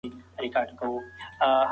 حتی ستر شاعران هم تکراري مضامین لري.